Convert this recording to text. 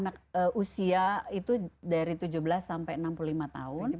jadi usia itu dari tujuh belas sampai enam puluh lima tahun